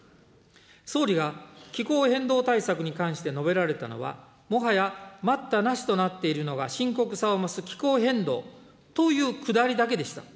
総理が気候変動対策に関して述べられたのは、もはや待ったなしとなっているのが深刻さを増す気候変動というくだりだけでした。